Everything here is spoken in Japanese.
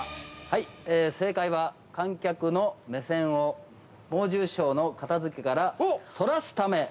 ◆正解は、観客の目線を猛獣ショーの片づけから、そらすため。